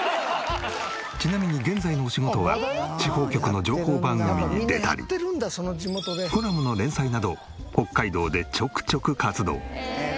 ちなみに現在のお仕事は地方局の情報番組に出たりコラムの連載など北海道でちょくちょく活動。